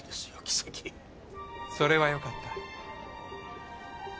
それはよかった。